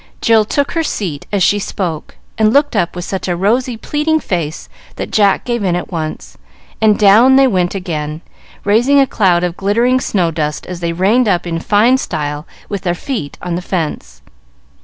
Jill took her seat as she spoke, and looked up with such a rosy, pleading face that Jack gave in at once, and down they went again, raising a cloud of glittering snow dust as they reined up in fine style with their feet on the fence.